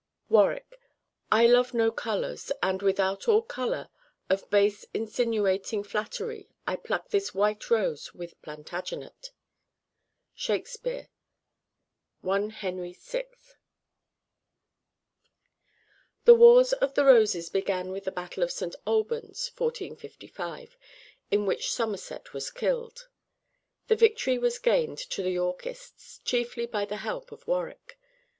Warwick. I love no colors; and, without all color Of base insinuating flattery, I pluck this white rose with Plantagenet. Shakespeare: I Henry VI. The Wars of the Roses began with the battle of St. Albans (1455), in which Somerset was killed. The victory was gained to the Yorkists chiefly by the help of Warwick.